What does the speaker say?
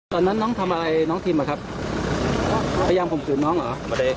ตอนนั้นน้องทำอะไรน้องทิมอ่ะครับพยามคุมสืบน้องอ่ะ